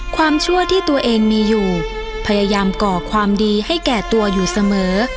ชั่วที่ตัวเองมีอยู่พยายามก่อความดีให้แก่ตัวอยู่เสมอ